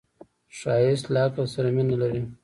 ښایست له عقل سره مینه لري